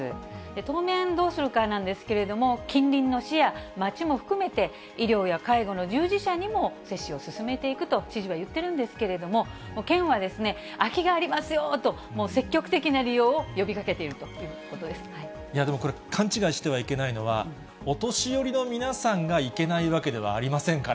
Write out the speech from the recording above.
当面、どうするかなんですけれども、近隣の市や町も含めて、医療や介護の従事者にも接種を進めていくと、知事は言ってるんですけれども、県は空きがありますよと、もう積極的な利用を呼びかけているといでもこれ、勘違いしてはいけないのは、お年寄りの皆さんがいけないわけではありませんから。